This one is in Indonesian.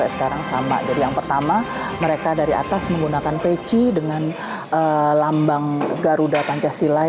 sekarang sama jadi yang pertama mereka dari atas menggunakan peci dengan lambang garuda pancasila